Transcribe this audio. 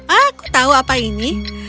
aku tahu apa ini